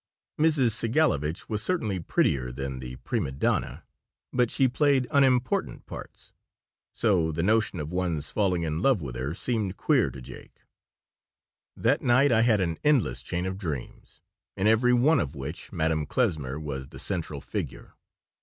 Mrs. Segalovitch was certainly prettier than the prima donna, but she played unimportant parts, so the notion of one's falling in love with her seemed queer to Jake That night I had an endless chain of dreams, in every one of which Madame Klesmer was the central figure.